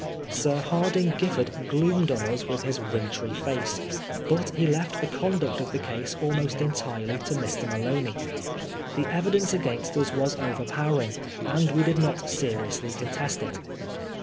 Sir Hardinge Giffard gloomed on us with his wintry face, but he left the conduct of the case almost entirely to Mr. Maloney. The evidence against us was over powering, and we did not seriously contest it.